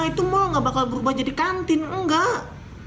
itu mall nggak bakal berubah jadi kantin nggak